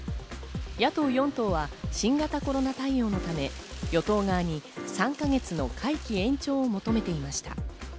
野党４党は新型コロナ対応のため、与党側に３か月の会期延長を求めていました。